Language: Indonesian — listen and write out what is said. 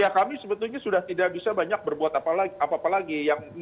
kami sebetulnya sudah tidak bisa banyak berbuat apa lagi